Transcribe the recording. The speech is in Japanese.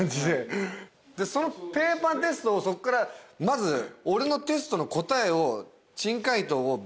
でそのペーパーテストをそっからまず俺のテストの答えを。